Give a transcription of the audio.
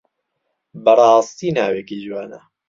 بەڕاستی ناوێکی جوانە.